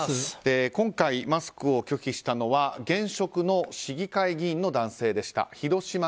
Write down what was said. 今回、マスクを拒否したのは現職の市議会議員の男性でした。